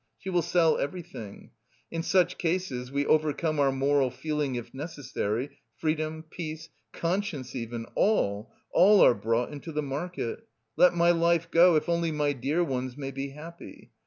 She will sell everything! In such cases, 'we overcome our moral feeling if necessary,' freedom, peace, conscience even, all, all are brought into the market. Let my life go, if only my dear ones may be happy!